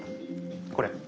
これ。